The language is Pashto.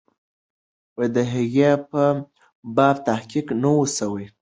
د هغې په باب تحقیق نه وو سوی.